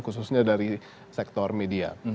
khususnya dari sektor media